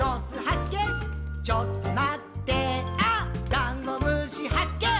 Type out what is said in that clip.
ダンゴムシはっけん